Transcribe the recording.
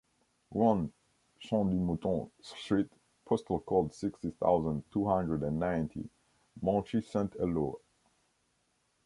One, Champ du Mouton street, postal code sixty thousand two hundred and ninety, Monchy-Saint-Éloi.